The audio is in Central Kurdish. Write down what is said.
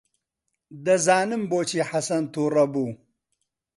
دەزانم بۆچی حەسەن تووڕە بوو.